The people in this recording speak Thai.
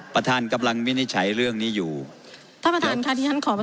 ประธานกำลังวินิจฉัยเรื่องนี้อยู่ท่านประธานค่ะที่ฉันขอประ